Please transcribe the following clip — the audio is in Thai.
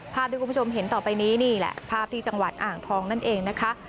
ภาพที่คุณผู้ชมเห็นต่อไปนี้นี่แหละภาพที่จังหวัดอ่างทองนั่นเองนะคะ